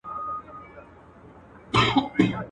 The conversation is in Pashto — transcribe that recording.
د مؤمن زړه اينداره ده.